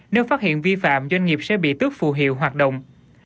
nếu phát hiện vi phạm doanh nghiệp sẽ bị tước phù hiệu hoạt động